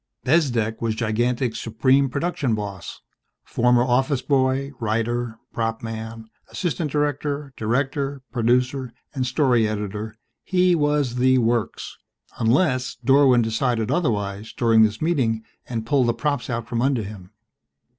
Bezdek was Gigantic's supreme production boss. Former office boy, writer, prop man, assistant director, director, producer, and story editor, he was the works unless Dorwin decided otherwise during this meeting and pulled the props out from under him.